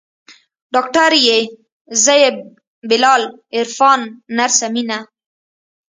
ډاکتر يې زه يم بلال عرفان نرسه مينه.